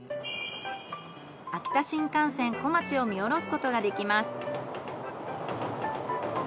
秋田新幹線こまちを見下ろすことができます。